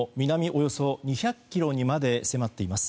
およそ２００ｋｍにまで迫っています。